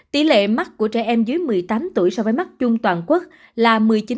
tỷ lệ mắc của trẻ em dưới một mươi tám tuổi so với mắt chung toàn quốc là một mươi chín